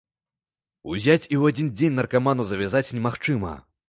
Узяць і ў адзін дзень наркаману завязаць немагчыма.